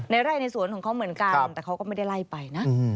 ไร่ในสวนของเขาเหมือนกันแต่เขาก็ไม่ได้ไล่ไปนะ